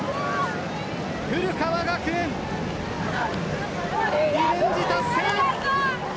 古川学園リベンジ達成。